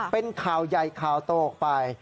เป็นข่าวใหญ่ข่าวโตออกไป